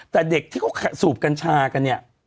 แต่เด็กที่เขาสูบกัญชากันเนี่ย